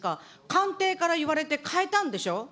官邸からいわれて変えたんでしょ。